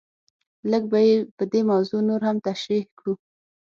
لږ به یې په دې موضوع نور هم تشریح کړو.